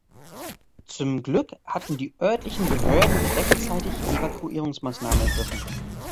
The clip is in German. Zum Glück hatten die örtlichen Behörden rechtzeitig Evakuierungsmaßnahmen ergriffen.